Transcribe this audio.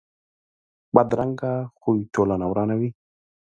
بدرنګه خوی ټولنه ورانوي